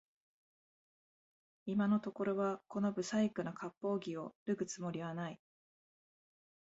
今のところはこの不細工な割烹着を脱ぐつもりはない